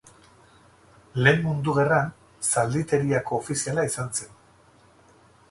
Lehen Mundu Gerran, zalditeriako ofiziala izan zen.